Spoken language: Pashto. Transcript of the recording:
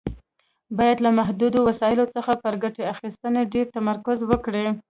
باید له محدودو وسایلو څخه پر ګټې اخیستنې ډېر تمرکز وکړي.